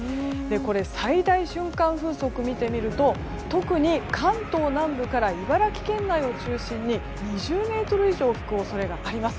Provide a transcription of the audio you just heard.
最大瞬間風速を見てみると特に関東南部から茨城県内を中心に２０メートル以上吹く恐れがあります。